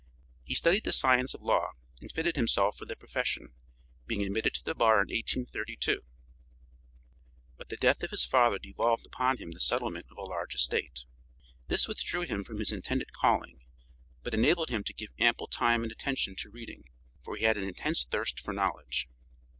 He studied the science of law, and fitted himself for the profession, being admitted to the bar in 1832, but the death of his father devolved upon him the settlement of a large estate. This withdrew him from his intended calling, but enabled him to give ample time and attention to reading, for he had an intense thirst for knowledge.